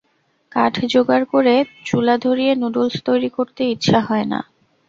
কাঠ জোগাড় করে চুলা ধরিয়ে নুডলস তৈরি করতে ইচ্ছা হয় না।